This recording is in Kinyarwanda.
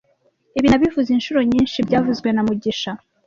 Ibi nabivuze inshuro nyinshi byavuzwe na mugisha